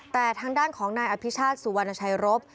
แต่ทางด้านของนายอภิชาติสุวรรณชัยรบ